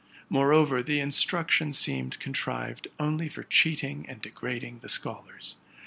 Moreover, the instruction seemed con trived only for cheating and degrading the scholars.